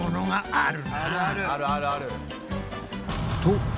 あるあるある。